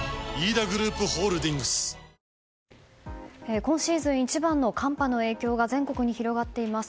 今シーズン一番の寒波の影響が全国に広がっています。